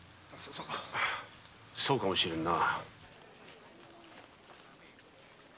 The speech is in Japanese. うんそうかもしれんな。